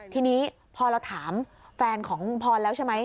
ทีนี้พอเราถามแฟนของลุงพรแล้วใช่ไหม